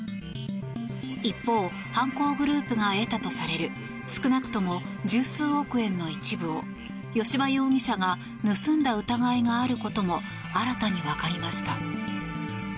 一方、犯行グループが得たとされる少なくとも十数億円の一部を吉羽容疑者が盗んだ疑いがあることも新たに分かりました。